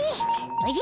おじゃ。